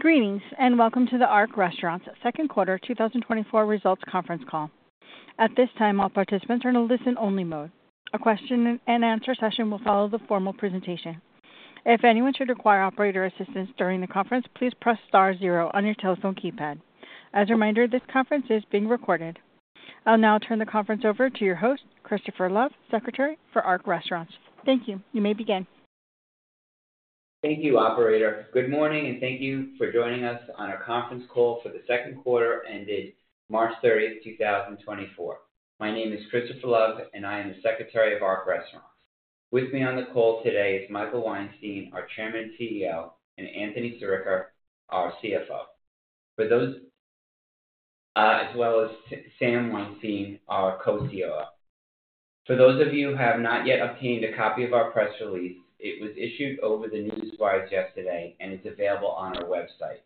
Greetings and welcome to the Ark Restaurants second quarter 2024 results conference call. At this time, all participants are in a listen-only mode. A question-and-answer session will follow the formal presentation. If anyone should require operator assistance during the conference, please press star zero on your telephone keypad. As a reminder, this conference is being recorded. I'll now turn the conference over to your host, Christopher Love, Secretary for Ark Restaurants. Thank you. You may begin. Thank you, Operator. Good morning, and thank you for joining us on our conference call for the second quarter ended March 30th, 2024. My name is Christopher Love, and I am the Secretary of Ark Restaurants. With me on the call today is Michael Weinstein, our Chairman and CEO, and Anthony Sirica, our CFO, as well as Sam Weinstein, our Co-COO. For those of you who have not yet obtained a copy of our press release, it was issued over the newswire yesterday, and it's available on our website.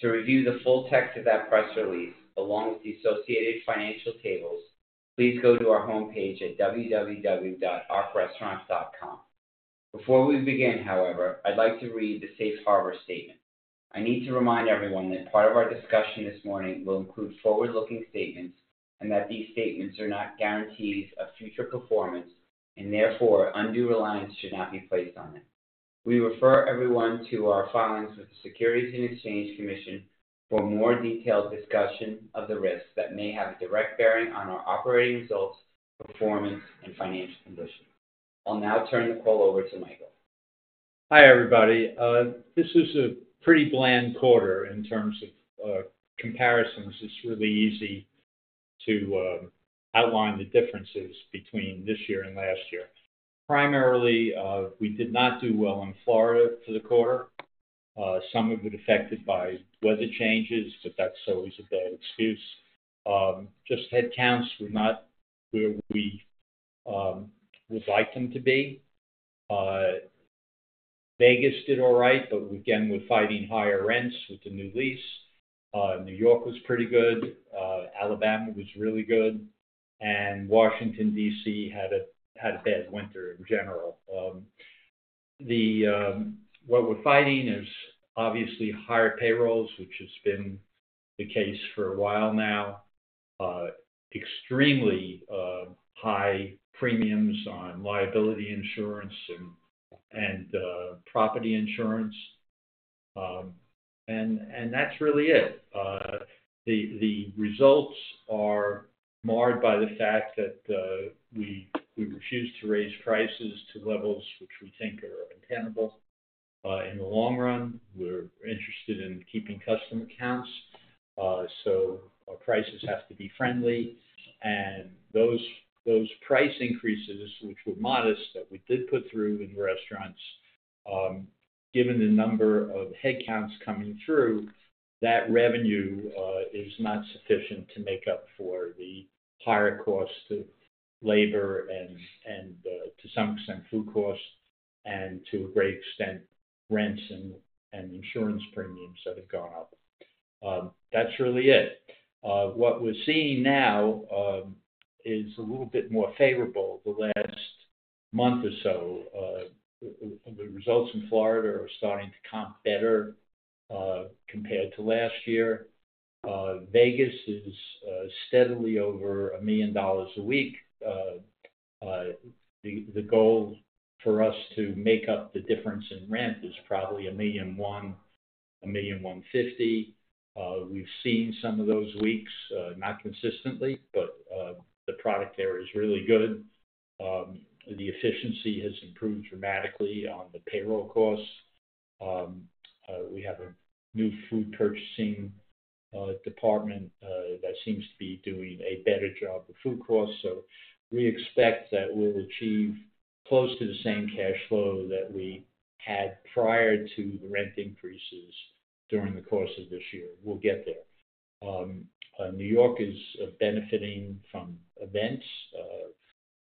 To review the full text of that press release along with the associated financial tables, please go to our homepage at www.arkrestaurants.com. Before we begin, however, I'd like to read the Safe Harbor Statement. I need to remind everyone that part of our discussion this morning will include forward-looking statements and that these statements are not guarantees of future performance, and therefore undue reliance should not be placed on them. We refer everyone to our filings with the Securities and Exchange Commission for a more detailed discussion of the risks that may have a direct bearing on our operating results, performance, and financial conditions. I'll now turn the call over to Michael. Hi, everybody. This is a pretty bland quarter in terms of comparisons. It's really easy to outline the differences between this year and last year. Primarily, we did not do well in Florida for the quarter. Some of it affected by weather changes, but that's always a bad excuse. Just headcounts were not where we would like them to be. Vegas did all right, but again, we're fighting higher rents with the new lease. New York was pretty good. Alabama was really good. Washington, D.C., had a bad winter in general. What we're fighting is obviously higher payrolls, which has been the case for a while now, extremely high premiums on liability insurance and property insurance. And that's really it. The results are marred by the fact that we refuse to raise prices to levels which we think are untenable. In the long run, we're interested in keeping customer counts, so our prices have to be friendly. And those, those price increases, which were modest that we did put through in the restaurants, given the number of headcounts coming through, that revenue, is not sufficient to make up for the higher cost of labor and, and, to some extent, food cost, and to a great extent, rents and, and insurance premiums that have gone up. That's really it. What we're seeing now is a little bit more favorable the last month or so. The results in Florida are starting to comp better compared to last year. Vegas is steadily over $1 million a week. The goal for us to make up the difference in rent is probably $1.1 million-$1.15 million. We've seen some of those weeks, not consistently, but the product there is really good. The efficiency has improved dramatically on the payroll costs. We have a new food purchasing department that seems to be doing a better job of food costs, so we expect that we'll achieve close to the same cash flow that we had prior to the rent increases during the course of this year. We'll get there. New York is benefiting from events.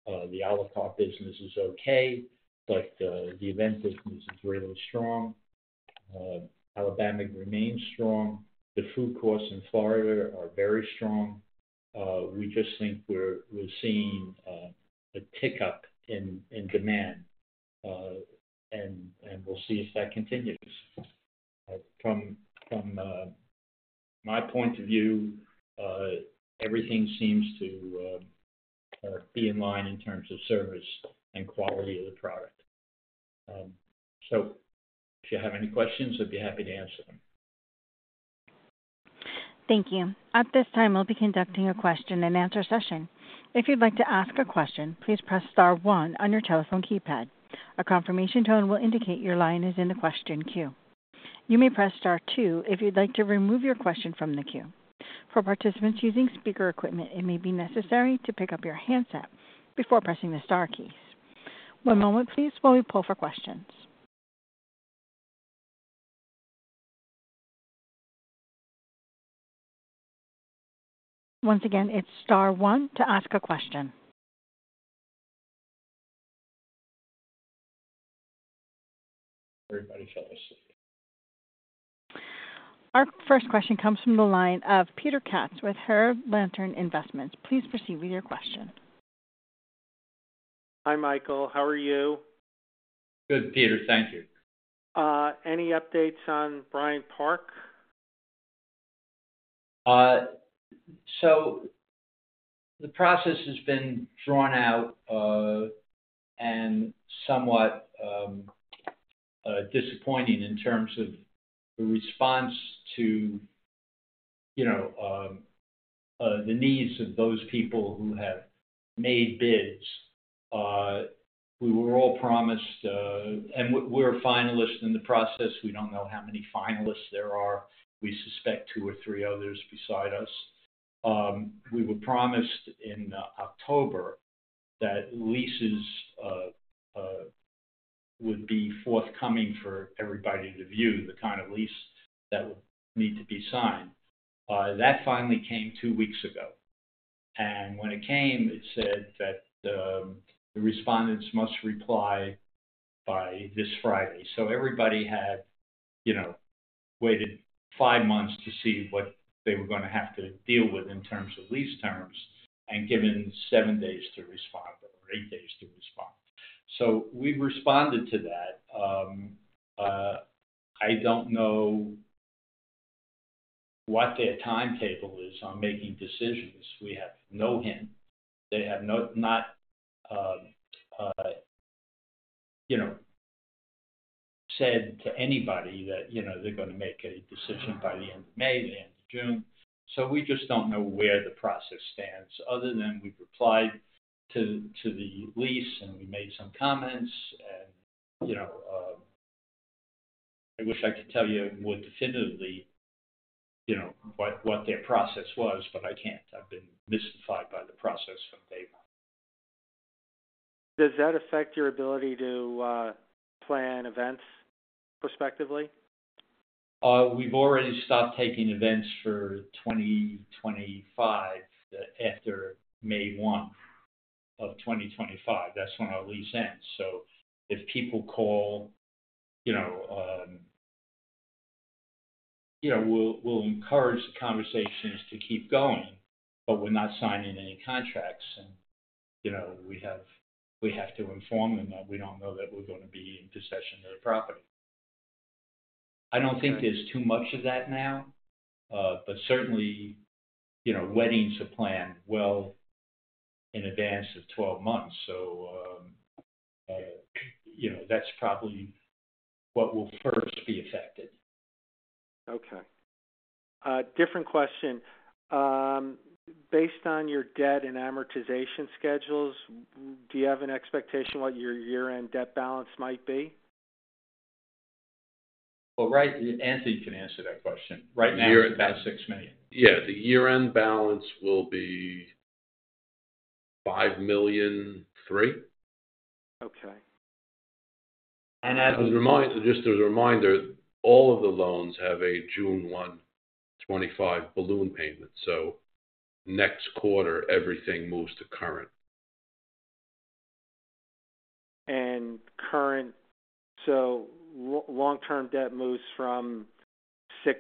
The à la carte business is okay, but the event business is really strong. Alabama remains strong. The food costs in Florida are very strong. We just think we're seeing a tick up in demand, and we'll see if that continues. From my point of view, everything seems to be in line in terms of service and quality of the product. If you have any questions, I'd be happy to answer them. Thank you. At this time, we'll be conducting a question-and-answer session. If you'd like to ask a question, please press star one on your telephone keypad. A confirmation tone will indicate your line is in the question queue. You may press star two if you'd like to remove your question from the queue. For participants using speaker equipment, it may be necessary to pick up your handset before pressing the star keys. One moment, please, while we pull for questions. Once again, it's star one to ask a question. Everybody fell asleep. Our first question comes from the line of Peter Katz with Herold & Lantern Investments. Please proceed with your question. Hi, Michael. How are you? Good, Peter. Thank you. Any updates on Bryant Park? So the process has been drawn out, and somewhat disappointing in terms of the response to, you know, the needs of those people who have made bids. We were all promised, and we're finalists in the process. We don't know how many finalists there are. We suspect two or three others beside us. We were promised in October that leases would be forthcoming for everybody to view, the kind of lease that would need to be signed. That finally came two weeks ago. And when it came, it said that the respondents must reply by this Friday. So everybody had, you know, waited five months to see what they were gonna have to deal with in terms of lease terms and given seven days to respond or eight days to respond. So we've responded to that. I don't know what their timetable is on making decisions. We have no hint. They have not, you know, said to anybody that, you know, they're gonna make a decision by the end of May, the end of June. So we just don't know where the process stands other than we've replied to the lease, and we made some comments, and, you know, I wish I could tell you more definitively, you know, what their process was, but I can't. I've been mystified by the process from day one. Does that affect your ability to plan events prospectively? We've already stopped taking events for 2025 after May 1, 2025. That's when our lease ends. So if people call, you know, we'll encourage the conversations to keep going, but we're not signing any contracts, and, you know, we have to inform them that we don't know that we're gonna be in possession of the property. I don't think there's too much of that now, but certainly, you know, weddings are planned well in advance of 12 months, so, you know, that's probably what will first be affected. Okay. Different question. Based on your debt and amortization schedules, do you have an expectation what your year-end debt balance might be? Well, right, Anthony can answer that question. Right now, it's about $6 million. Yeah. The year-end balance will be $5.3 million. Okay. As a reminder, all of the loans have a June 1, 2025 balloon payment, so next quarter, everything moves to current. Current, so long-term debt moves from $6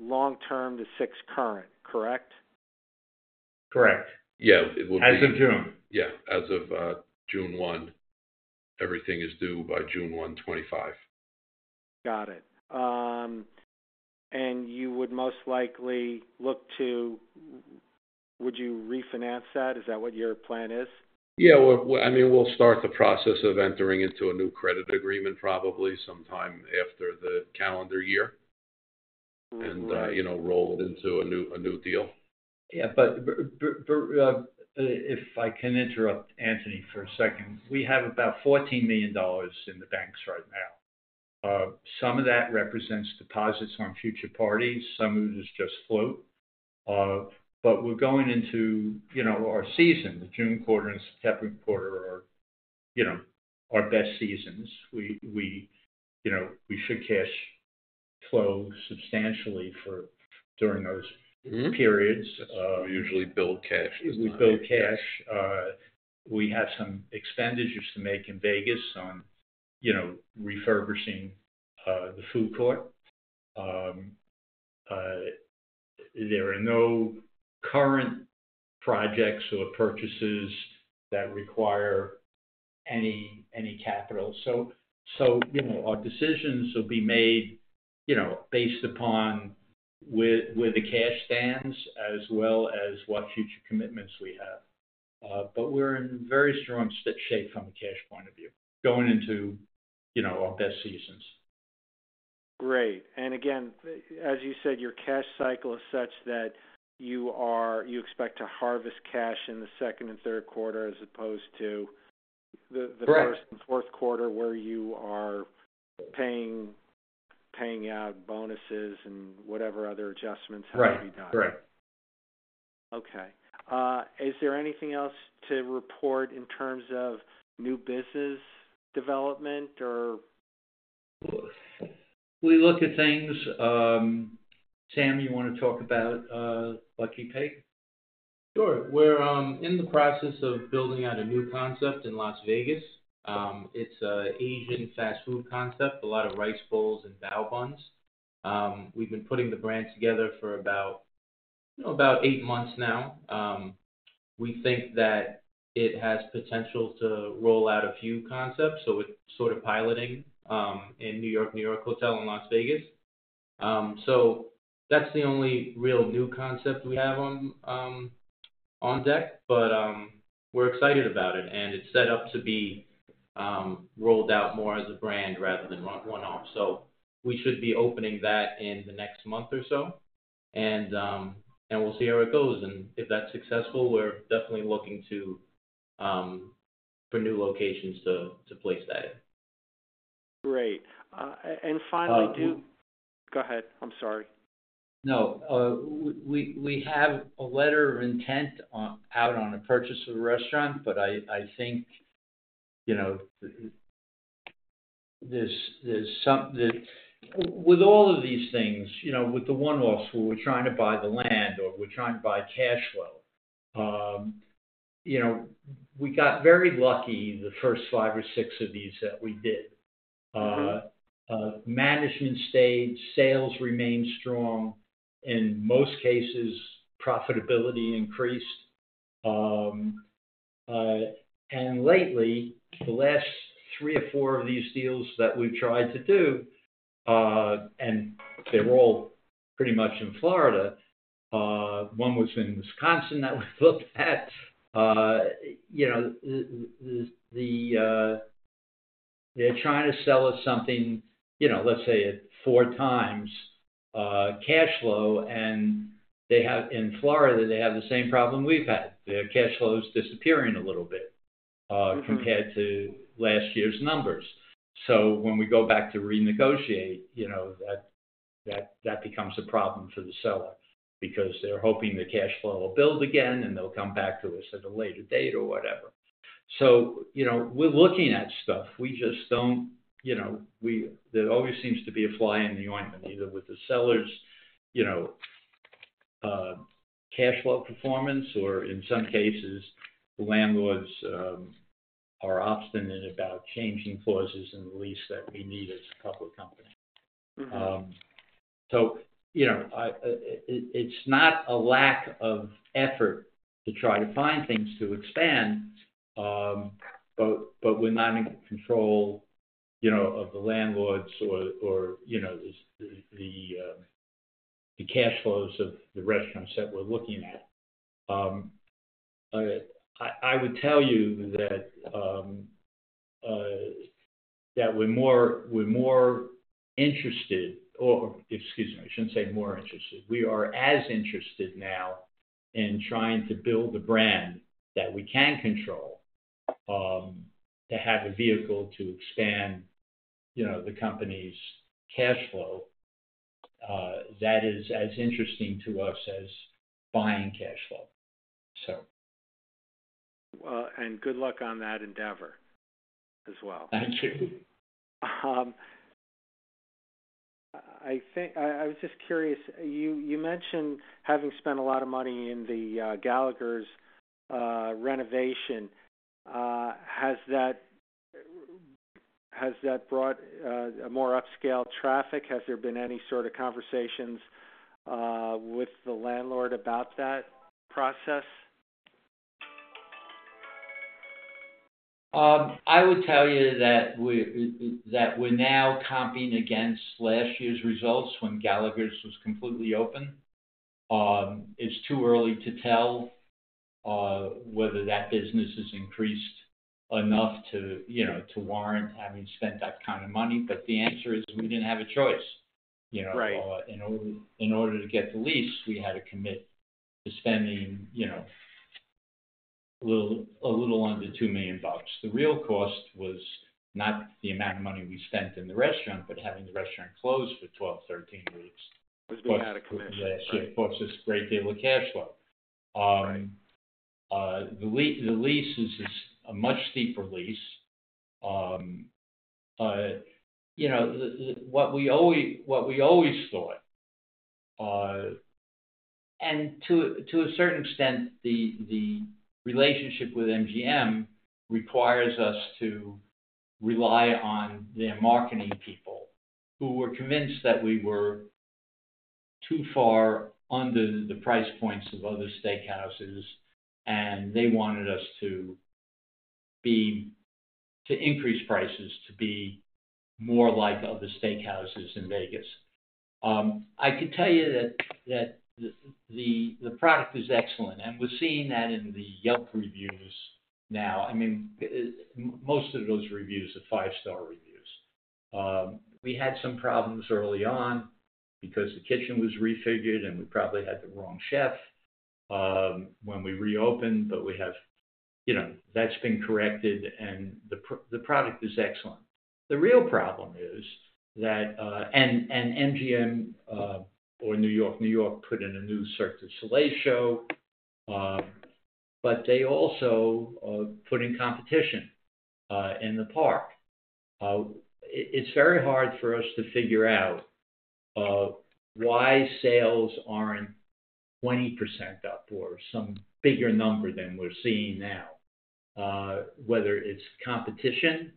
long-term to $6 current, correct? Correct. Yeah. It would be. As of June? Yeah. As of June 1, everything is due by June 1, 2025. Got it. And you would most likely look to, would you refinance that? Is that what your plan is? Yeah. We'll, I mean, we'll start the process of entering into a new credit agreement probably sometime after the calendar year and, you know, roll it into a new deal. Yeah. But if I can interrupt Anthony for a second. We have about $14 million in the banks right now. Some of that represents deposits on future parties. Some of it is just float. But we're going into, you know, our season. The June quarter and September quarter are, you know, our best seasons. We, you know, we should cash flow substantially for during those periods. Mm-hmm. We usually build cash. We build cash. We have some expenditures to make in Vegas on, you know, refurbishing the food court. There are no current projects or purchases that require any capital. So, you know, our decisions will be made, you know, based upon where the cash stands as well as what future commitments we have. But we're in very strong shape from a cash point of view, going into, you know, our best seasons. Great. Again, as you said, your cash cycle is such that you expect to harvest cash in the second and third quarter as opposed to the first and fourth quarter where you are paying out bonuses and whatever other adjustments have to be done. Right. Correct. Okay. Is there anything else to report in terms of new business development, or? We look at things. Sam, you wanna talk about Lucky Pei? Sure. We're in the process of building out a new concept in Las Vegas. It's an Asian fast food concept, a lot of rice bowls and bao buns. We've been putting the brand together for about, you know, about eight months now. We think that it has potential to roll out a few concepts, so we're sort of piloting in New York-New York Hotel and Las Vegas. So that's the only real new concept we have on deck, but we're excited about it, and it's set up to be rolled out more as a brand rather than run one-off. So we should be opening that in the next month or so, and we'll see how it goes. And if that's successful, we're definitely looking to for new locations to place that in. Great. And finally, do. Go ahead. I'm sorry. No, we have a letter of intent out on a purchase of a restaurant, but I think, you know, there's something that with all of these things, you know, with the one-offs, where we're trying to buy the land or we're trying to buy cash flow, you know, we got very lucky the first five or six of these that we did. Management stayed, sales remained strong. In most cases, profitability increased. And lately, the last three or four of these deals that we've tried to do, and they're all pretty much in Florida—one was in Wisconsin that we've looked at—you know, there's, they're trying to sell us something, you know, let's say at 4x cash flow, and they have in Florida, they have the same problem we've had. Their cash flow's disappearing a little bit, compared to last year's numbers. So when we go back to renegotiate, you know, that becomes a problem for the seller because they're hoping the cash flow will build again, and they'll come back to us at a later date or whatever. So, you know, we're looking at stuff. We just don't, you know, there always seems to be a fly in the ointment either with the seller's, you know, cash flow performance or, in some cases, the landlords are obstinate about changing clauses in the lease that we need as a public company. So, you know, it's not a lack of effort to try to find things to expand, but we're not in control, you know, of the landlords or, or, you know, the cash flows of the restaurants that we're looking at. I would tell you that we're more interested, or excuse me. I shouldn't say more interested. We are as interested now in trying to build a brand that we can control, to have a vehicle to expand, you know, the company's cash flow. That is as interesting to us as buying cash flow, so. Good luck on that endeavor as well. Thank you. I think I was just curious. You mentioned having spent a lot of money in the Gallagher's renovation. Has that brought more upscale traffic? Has there been any sort of conversations with the landlord about that process? I would tell you that we're in it that we're now comping against last year's results when Gallagher's was completely open. It's too early to tell whether that business has increased enough to, you know, to warrant having spent that kind of money, but the answer is we didn't have a choice, you know. Right. In order to get the lease, we had to commit to spending, you know, a little under $2 million. The real cost was not the amount of money we spent in the restaurant but having the restaurant closed for 12 weeks-13 weeks. Was being out of commission. Which, yeah, sure, cost us a great deal of cash flow. Right. The lease is a much steeper lease. You know, what we always thought, and to a certain extent, the relationship with MGM requires us to rely on their marketing people who were convinced that we were too far under the price points of other steakhouses, and they wanted us to increase prices to be more like other steakhouses in Vegas. I could tell you that the product is excellent, and we're seeing that in the Yelp reviews now. I mean, most of those reviews are five-star reviews. We had some problems early on because the kitchen was refigured, and we probably had the wrong chef when we reopened, but we have, you know, that's been corrected, and the product is excellent. The real problem is that, and MGM, or New York-New York put in a new Cirque du Soleil show, but they also put in competition in The Park. It's very hard for us to figure out why sales aren't 20% up or some bigger number than we're seeing now, whether it's competition,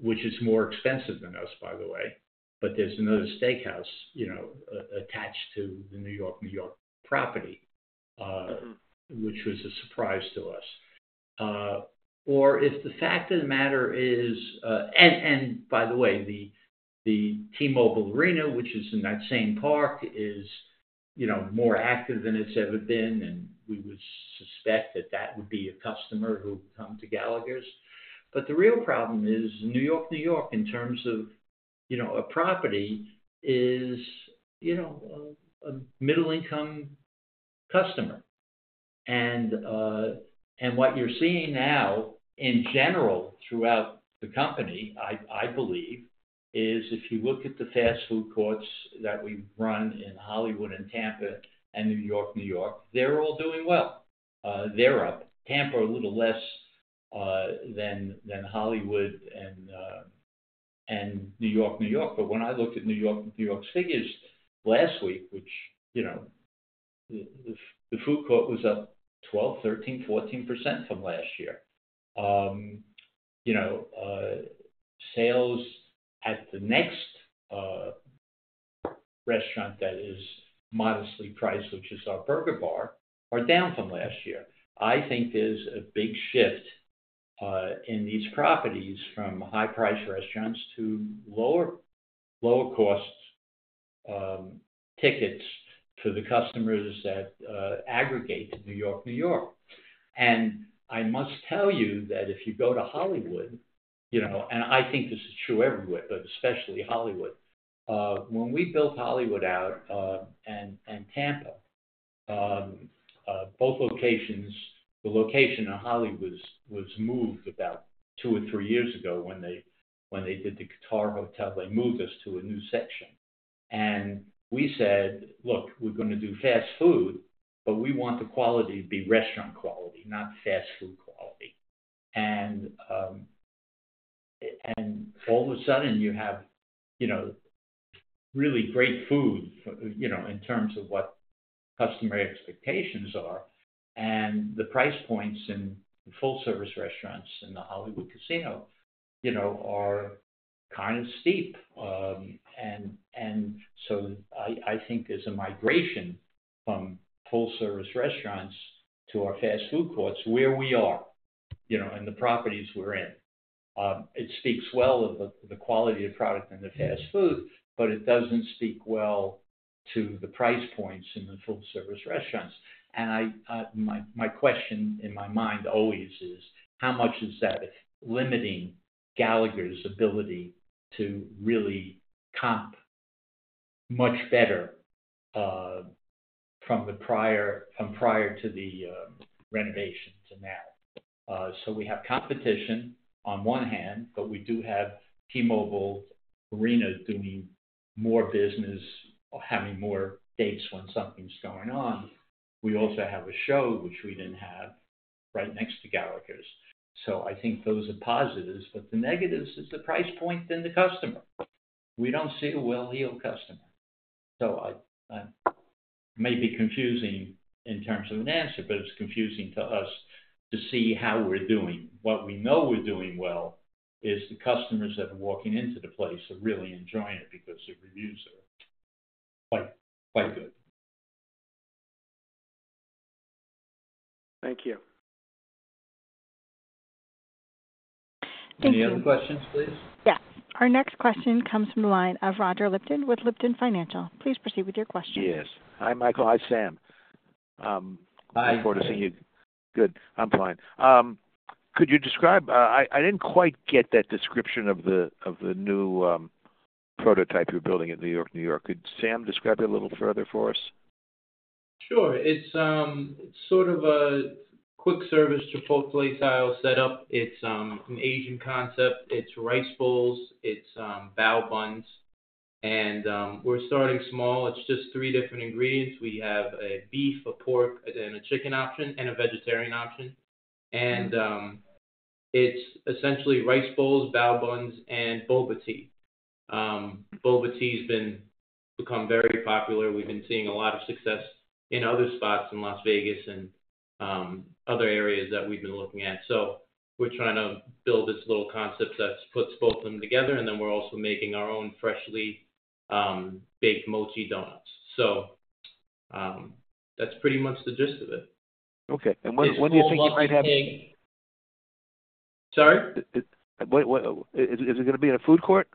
which is more expensive than us, by the way, but there's another steakhouse, you know, attached to the New York-New York property, which was a surprise to us, or if the fact of the matter is, and by the way, the T-Mobile Arena, which is in that same park, is, you know, more active than it's ever been, and we would suspect that that would be a customer who would come to Gallagher's. But the real problem is New York-New York, in terms of, you know, a property is, you know, a middle-income customer. And what you're seeing now in general throughout the company, I believe, is if you look at the fast food courts that we run in Hollywood and Tampa and New York-New York, they're all doing well. They're up. Tampa a little less than Hollywood and New York-New York. But when I looked at New York-New York's figures last week, which, you know, the food court was up 12%-14% from last year. You know, sales at the next restaurant that is modestly priced, which is our Burger Bar, are down from last year. I think there's a big shift in these properties from high-priced restaurants to lower, lower-cost tickets for the customers that aggregate to New York-New York. I must tell you that if you go to Hollywood, you know, and I think this is true everywhere, but especially Hollywood. When we built Hollywood out, and Tampa, both locations, the location in Hollywood was moved about two or three years ago when they did the Guitar Hotel. They moved us to a new section. And we said, "Look, we're gonna do fast food, but we want the quality to be restaurant quality, not fast food quality." And all of a sudden, you have, you know, really great food, you know, in terms of what customer expectations are, and the price points in the full-service restaurants and the Hollywood casino, you know, are kind of steep. So I think there's a migration from full-service restaurants to our fast food courts where we are, you know, and the properties we're in. It speaks well of the quality of product in the fast food, but it doesn't speak well to the price points in the full-service restaurants. And my question in my mind always is, how much is that limiting Gallagher's ability to really comp much better, from the prior to the renovation to now? So we have competition on one hand, but we do have T-Mobile Arena doing more business or having more dates when something's going on. We also have a show, which we didn't have, right next to Gallagher's. So I think those are positives, but the negative is the price point and the customer. We don't see a well-heeled customer. So I may be confusing in terms of an answer, but it's confusing to us to see how we're doing. What we know we're doing well is the customers that are walking into the place are really enjoying it because the reviews are quite, quite good. Thank you. Thank you. Any other questions, please? Yes. Our next question comes from the line of Roger Lipton with Lipton Financial. Please proceed with your question. Yes. Hi, Michael. Hi, Sam. Hi. Looking forward to seeing you. Good. I'm fine. Could you describe? I didn't quite get that description of the new prototype you're building at New York-New York. Could Sam describe it a little further for us? Sure. It's sort of a quick-service to full-flavor style setup. It's an Asian concept. It's rice bowls. It's bao buns. And we're starting small. It's just three different ingredients. We have a beef, a pork, and then a chicken option, and a vegetarian option. And it's essentially rice bowls, bao buns, and boba tea. Boba tea's become very popular. We've been seeing a lot of success in other spots in Las Vegas and other areas that we've been looking at. So we're trying to build this little concept that puts both of them together, and then we're also making our own freshly baked mochi donuts. So that's pretty much the gist of it. Okay. And when, when do you think you might have? I'm sorry? What, what is it gonna be in a food court?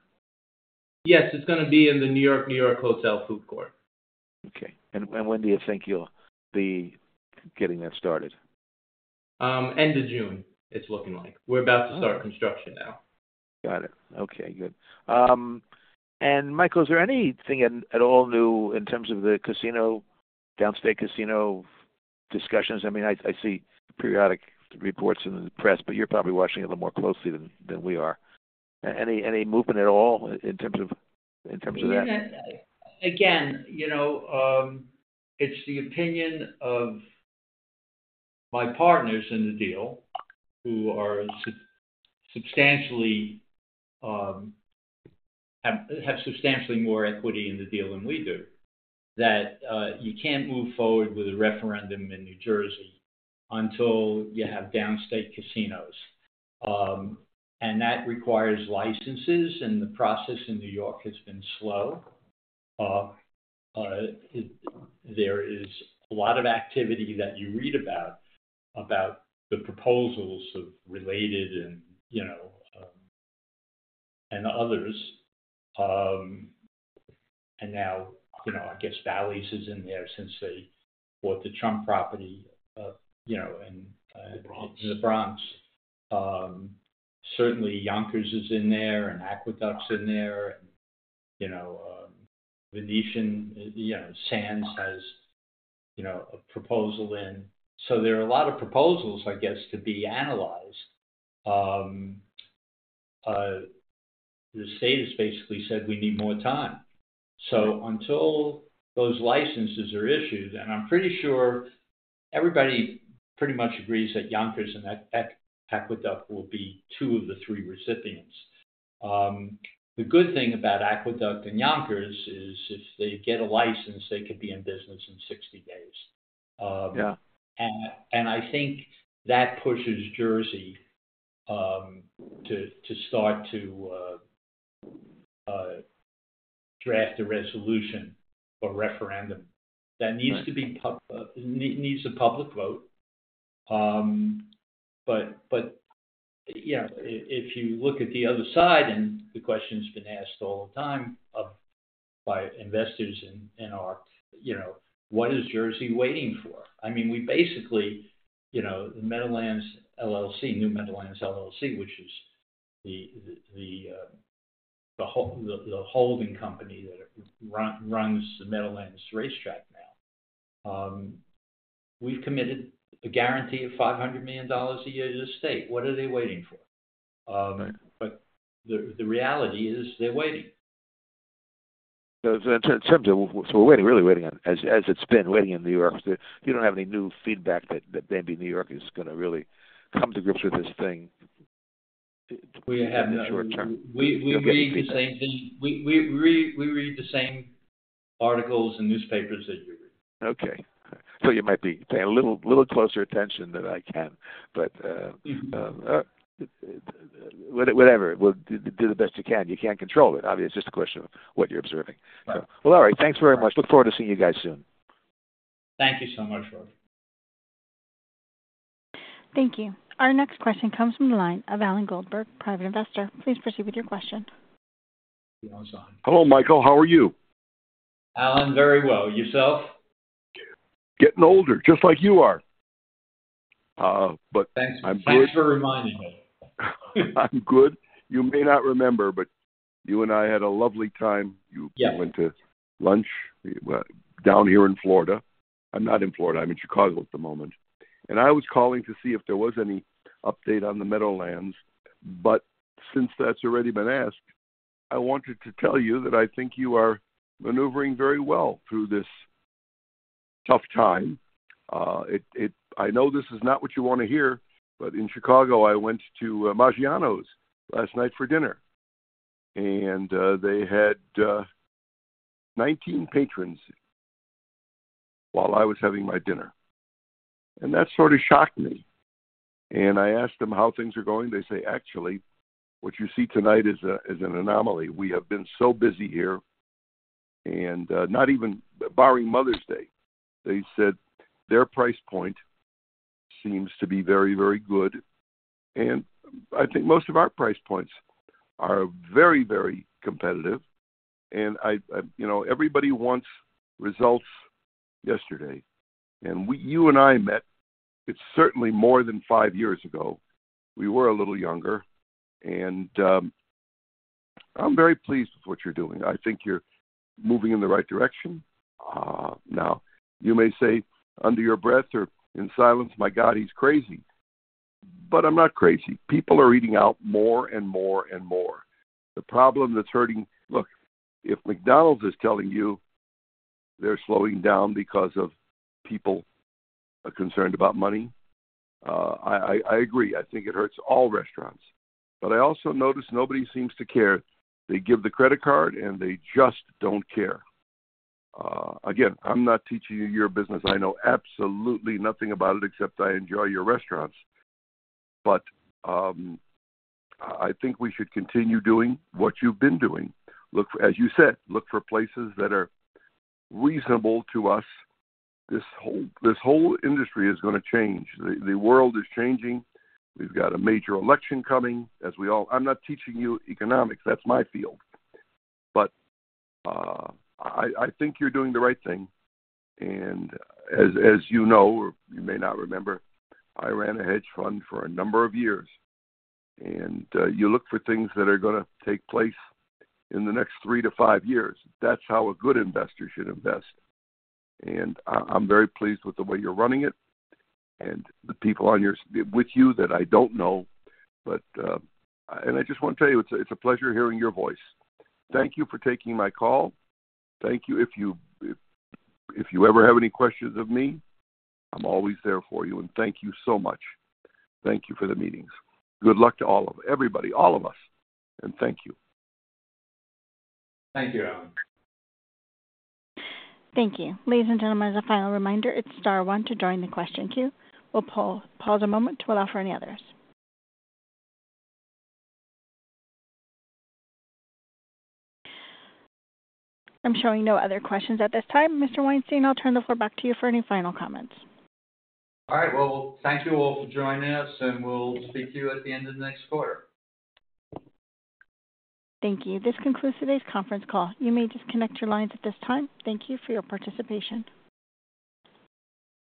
Yes. It's gonna be in the New York-New York Hotel food court. Okay. And when do you think you'll be getting that started? End of June, it's looking like. We're about to start construction now. Got it. Okay. Good. Michael, is there anything at all new in terms of the downstate casino discussions? I mean, I see periodic reports in the press, but you're probably watching it a little more closely than we are. Any movement at all in terms of that? I mean, again, you know, it's the opinion of my partners in the deal who are substantially, have substantially more equity in the deal than we do that, you can't move forward with a referendum in New Jersey until you have downstate casinos. That requires licenses, and the process in New York has been slow. There is a lot of activity that you read about, about the proposals of Related and, you know, and others. And now, you know, I guess Bally's is in there since they bought the Trump property, you know, and, The Bronx. In the Bronx. Certainly, Yonkers is in there and Aqueduct's in there and, you know, Venetian, I, you know, Sands has, you know, a proposal in. So there are a lot of proposals, I guess, to be analyzed. The state has basically said, "We need more time." So until those licenses are issued and I'm pretty sure everybody pretty much agrees that Yonkers and Aqueduct will be two of the three recipients. The good thing about Aqueduct and Yonkers is if they get a license, they could be in business in 60 days. Yeah. And I think that pushes Jersey to start to draft a resolution or referendum. That needs a public vote. But you know, if you look at the other side and the question's been asked all the time by investors in Ark, you know, what is Jersey waiting for? I mean, we basically, you know, the Meadowlands LLC, New Meadowlands LLC, which is the holding company that runs the Meadowlands Racetrack now, we've committed a guarantee of $500 million a year to the state. What are they waiting for? Right. But the reality is they're waiting. So it's in terms of what we're really waiting on, as it's been waiting in New York. Do you have any new feedback that maybe New York is gonna really come to grips with this thing? We have no. In the short term. We read the same thing. We read the same articles and newspapers that you read. Okay. So you might be paying a little closer attention than I can, but whatever. Well, do the best you can. You can't control it. Obviously, it's just a question of what you're observing. Right. So, well, all right. Thanks very much. Look forward to seeing you guys soon. Thank you so much, Roger. Thank you. Our next question comes from the line of Alan Goldberg, private investor. Please proceed with your question. Hello, Michael. How are you? Alan, very well. Yourself? Getting older, just like you are. But I'm good. Thanks for reminding me. I'm good. You may not remember, but you and I had a lovely time. You. Yes. You went to lunch, down here in Florida. I'm not in Florida. I'm in Chicago at the moment. And I was calling to see if there was any update on the Meadowlands, but since that's already been asked, I wanted to tell you that I think you are maneuvering very well through this tough time. I know this is not what you wanna hear, but in Chicago, I went to Maggiano's last night for dinner, and they had 19 patrons while I was having my dinner. And that sort of shocked me. And I asked them how things are going. They say, "Actually, what you see tonight is an anomaly. We have been so busy here and, not even barring Mother's Day. They said, "Their price point seems to be very, very good, and I think most of our price points are very, very competitive." And I, I you know, everybody wants results yesterday. And we you and I met it's certainly more than five years ago. We were a little younger. And, I'm very pleased with what you're doing. I think you're moving in the right direction. Now, you may say under your breath or in silence, "My God, he's crazy." But I'm not crazy. People are eating out more and more and more. The problem that's hurting look, if McDonald's is telling you they're slowing down because of people, concerned about money, I, I, I agree. I think it hurts all restaurants. But I also notice nobody seems to care. They give the credit card, and they just don't care. Again, I'm not teaching you your business. I know absolutely nothing about it except I enjoy your restaurants. But, I, I think we should continue doing what you've been doing. Look for, as you said, look for places that are reasonable to us. This whole this whole industry is gonna change. The, the world is changing. We've got a major election coming, as we all. I'm not teaching you economics. That's my field. But, I, I think you're doing the right thing. And as, as you know or you may not remember, I ran a hedge fund for a number of years. And, you look for things that are gonna take place in the next three to five years. That's how a good investor should invest. I'm very pleased with the way you're running it and the people on your staff with you that I don't know, but and I just wanna tell you, it's a pleasure hearing your voice. Thank you for taking my call. Thank you. If you ever have any questions of me, I'm always there for you. And thank you so much. Thank you for the meetings. Good luck to all of everybody, all of us. And thank you. Thank you, Alan. Thank you. Ladies and gentlemen, as a final reminder, it's star one to join the question queue. We'll pause a moment to allow for any others. I'm showing no other questions at this time, Mr. Weinstein. I'll turn the floor back to you for any final comments. All right. Well, thank you all for joining us, and we'll speak to you at the end of the next quarter. Thank you. This concludes today's conference call. You may disconnect your lines at this time. Thank you for your participation.